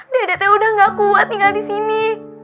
dede teh udah gak kuat tinggal disini